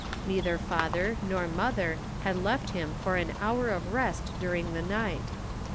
Neither father nor mother had left him for an hour of rest dur ing the night.